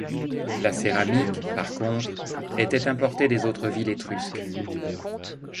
La céramique, par contre, était importée des autres villes étrusques.